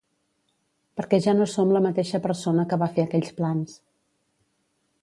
Perquè ja no som la mateixa persona que va fer aquells plans.